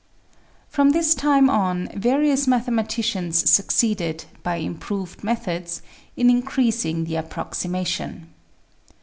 From this time on, various mathematicians succeeded, by improved methods, in increasing the approximation.